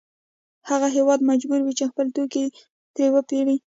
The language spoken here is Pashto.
هغه هېواد مجبوروي چې خپل توکي ترې وپېري